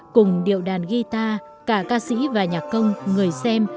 cùng điệu đàn guitar cả ca sĩ và nhạc công người xem